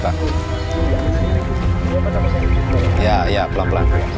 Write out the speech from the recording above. ya ya pelan pelan